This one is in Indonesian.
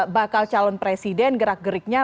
bakal calon presiden gerak geriknya